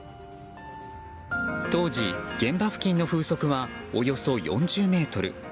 当時、現場付近の風速はおよそ４０メートル。